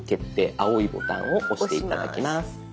青いボタンを押して頂きます。